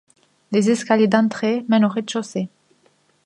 Des escaliers d’entrée mènent au rez-de-chaussée.